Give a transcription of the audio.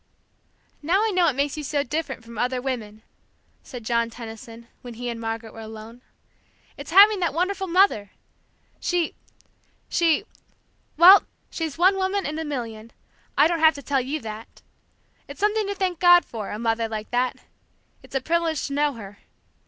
"Now I know what makes you so different from other women," said John Tenison, when he and Margaret were alone. "It's having that wonderful mother! She she well, she's one woman in a million; I don't have to tell you that! It's something to thank God for, a mother like that; it's a privilege to know her.